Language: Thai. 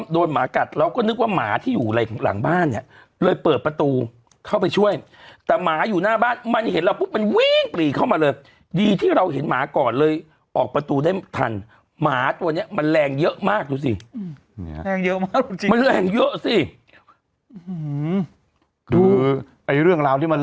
ต้องออกมาพูดทั้งสองฝั่งว่าเป็นยังไง